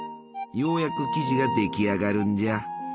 ようやく生地が出来上がるんじゃ。